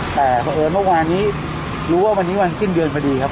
แต่เพราะเอิญเมื่อวานนี้รู้ว่าวันนี้วันสิ้นเดือนพอดีครับ